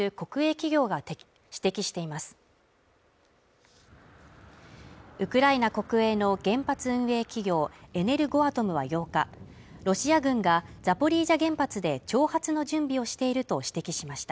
企業エネルゴアトムは８日ロシア軍がザポリージャ原発で挑発の準備をしていると指摘しました